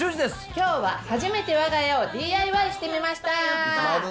きょうは初めてわが家をＤＩＹしてみました。